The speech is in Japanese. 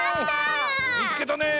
みつけたね。